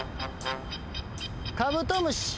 カブトムシ。